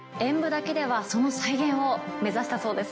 炊きではその再現を目指したそうですね。